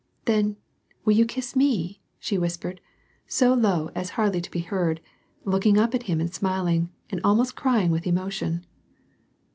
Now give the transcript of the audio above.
"Then, will you kiss me?" she whispered, so low as hardly to be heard, looking up at him and smiling, and almost crying with emotion.